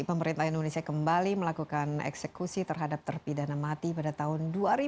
pemerintah indonesia kembali melakukan eksekusi terhadap terpidana mati pada tahun dua ribu dua puluh